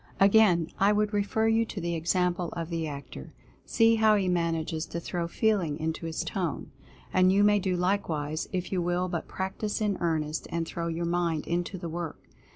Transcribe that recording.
Again would I refer you to the example of the Actor — see how he manages to throw FEELING into his Tone. And you may do likewise, if you will but practice in earnest, and throw your mind into the work.